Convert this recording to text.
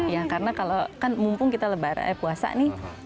ya karena kalau kan mumpung kita lebaran puasa nih